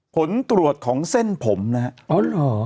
ผลตรวจของเส้นผมนะครับ